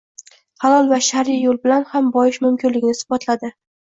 halol va shar'iy yo'l bilan ham boyish mumkinligini isbotladi.